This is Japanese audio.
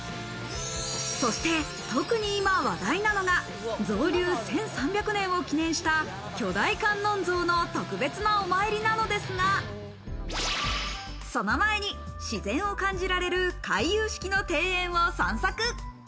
そして特に今、話題なのが造立１３００年を記念した巨大観音像の特別なお参りなのですが、その前に自然を感じられる回遊式の庭園を散策。